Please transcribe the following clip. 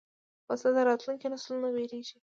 وسله د راتلونکو نسلونو وېرېږي